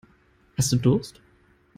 Hast du Durst?